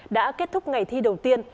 đã kết thúc ngày thi đầu tiên